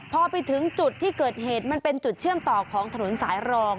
พอไปถึงจุดที่เกิดเหตุมันเป็นจุดเชื่อมต่อของถนนสายรอง